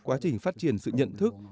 quá trình phát triển sự nhận thức